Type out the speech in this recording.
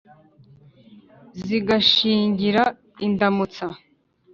. Zigashingira Indamutsa,